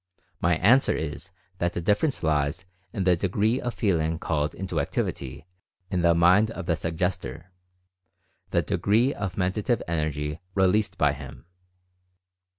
My answer is that the difference lies in the degree of Feeling called into activity in the mind of the Suggestor — the degree of Mentative Energy released by him.